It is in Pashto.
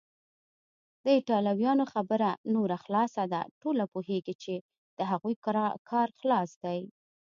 د ایټالویانو خبره نوره خلاصه ده، ټوله پوهیږي چې د هغوی کار خلاص دی.